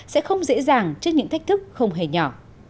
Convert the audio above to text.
sẽ không dễ dàng trước những thách thức không hề nhỏ